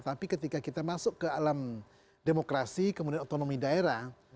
tapi ketika kita masuk ke alam demokrasi kemudian otonomi daerah